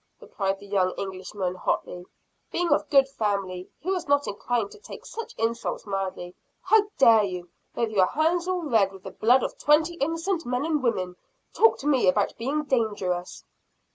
replied the young Englishman hotly. Being of good family, he was not inclined to take such insults mildly. "How dare you, with your hands all red with the blood of twenty innocent men and women, talk to me about being dangerous!"